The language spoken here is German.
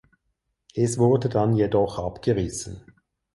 Es wurde dann jedoch abgerissen.